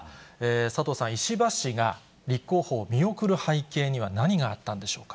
佐藤さん、石破氏が立候補を見送る背景には何があったんでしょうか。